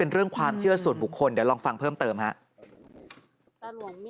เรื่องความเชื่อส่วนบุคคลเดี๋ยวลองฟังเพิ่มเติมครับ